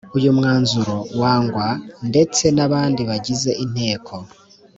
uyu mwanzuro wangwa ndetse n’abandi bagize inteko